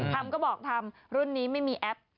ทำก็บอกทำรุ่นนี้ไม่มีแอป